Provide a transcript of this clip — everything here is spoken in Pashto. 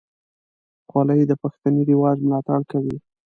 خولۍ د پښتني رواج ملاتړ کوي.